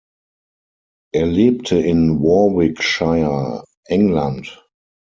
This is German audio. Er lebte in Warwickshire, England.